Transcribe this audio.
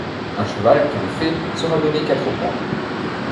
Un cheval qui le fait sera donné quatre points.